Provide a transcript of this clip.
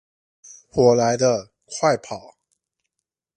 火來了，快跑